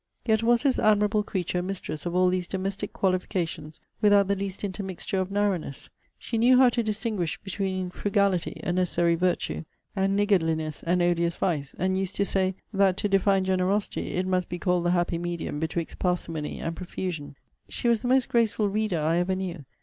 Yet was this admirable creature mistress of all these domestic qualifications, without the least intermixture of narrowness. She knew how to distinguish between frugality, a necessary virtue, and niggardliness, an odious vice; and used to say, 'That to define generosity, it must be called the happy medium betwixt parsimony and profusion.' She was the most graceful reader I ever knew.